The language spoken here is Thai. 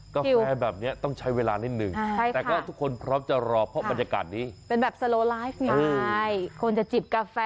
คือกาแฟแบบนี้ต้องใช้เวลานิดนึงแต่ก็ทุกคนพร้อมจะรอเพราะบรรยากาศนี้